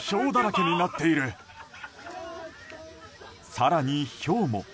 更に、ひょうも。